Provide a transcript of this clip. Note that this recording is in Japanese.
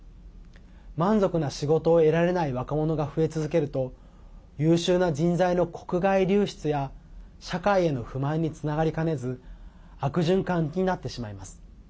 満足な仕事を得られない若者が増え続けると優秀な人材の国外流出や社会への不満につながりかねず悪循環になってしまいます。